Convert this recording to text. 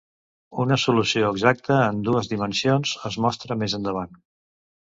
Una solució exacta en dues dimensions es mostra més endavant.